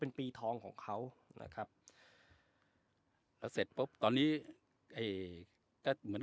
เป็นปีทองของเขานะครับแล้วเสร็จปุ๊บตอนนี้ไอ้ก็เหมือน